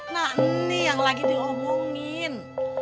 nah ini yang lagi diomongin